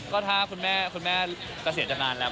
ก็ถ้าคุณแม่จะเสียจากนานแล้ว